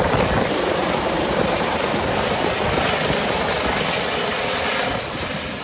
สวัสดีครับ